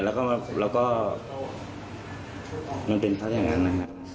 แล้วก็มันเป็นทัศน์อย่างนั้น